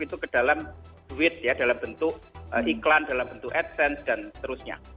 itu ke dalam duit ya dalam bentuk iklan dalam bentuk adsense dan seterusnya